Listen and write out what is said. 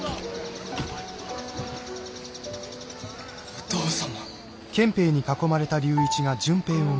お父様。